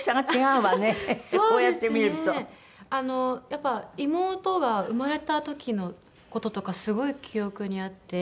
やっぱり妹が生まれた時の事とかすごい記憶にあって。